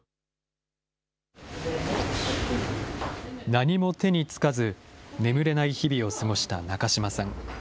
何も手に付かず、眠れない日々を過ごした中島さん。